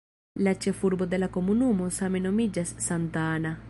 La ĉefurbo de la komunumo same nomiĝas "Santa Ana".